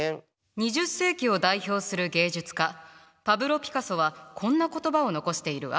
２０世紀を代表する芸術家パブロ・ピカソはこんな言葉を残しているわ。